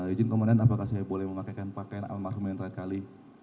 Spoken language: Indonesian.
izin pemerintahan apakah saya boleh memakai almarhum yang terkali kali